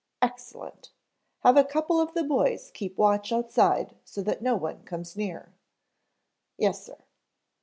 "Excellent. Have a couple of the boys keep watch outside so that no one comes near." "Yes sir."